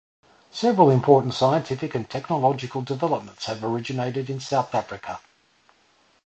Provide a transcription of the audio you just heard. Several important scientific and technological developments have originated in South Africa.